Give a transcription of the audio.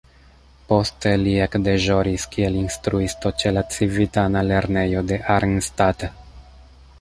Poste li ekdeĵoris kiel instruisto ĉe la civitana lernejo de Arnstadt.